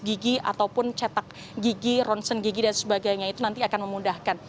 jadi itu akan memudahkan proses yang akan diinginkan oleh rs polri